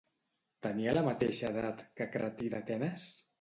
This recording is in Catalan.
Tenia la mateixa edat que Cratí d'Atenes?